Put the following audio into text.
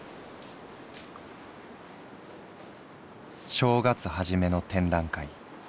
「正月はじめの展覧会